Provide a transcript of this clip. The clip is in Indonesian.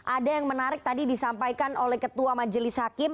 ada yang menarik tadi disampaikan oleh ketua majelis hakim